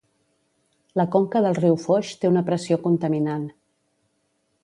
La conca del riu Foix té una pressió contaminant.